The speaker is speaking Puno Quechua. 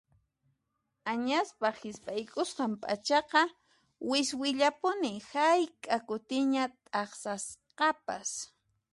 Añaspaq hisp'aykusqan p'achaqa wiswillapuni hayk'a kutiña t'aqsasqapas.